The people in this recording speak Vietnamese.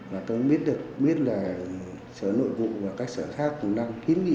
là tôi biết được biết là sở nội vụ và các sở khác cũng đang kiến nghị